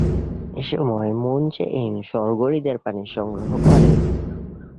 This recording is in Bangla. এসময় মুন জে ইন স্বর্গ হ্রদের পানি সংগ্রহ করেন।